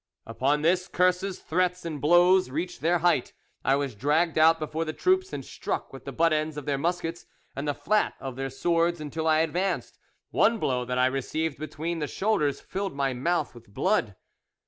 "Upon this, curses, threats, and blows reached their height. I was dragged out before the troops and struck with the butt ends of their muskets and the flat of their swords until I advanced. One blow that I received between the shoulders filled my mouth with blood.